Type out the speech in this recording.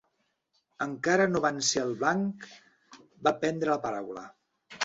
Encare no van ser al banc va prendre la paraula